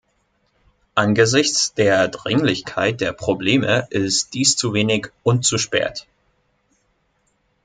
Angesichts der Dringlichkeit der Probleme ist dies zu wenig und zu spät!